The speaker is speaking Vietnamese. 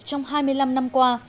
trong hai mươi năm năm qua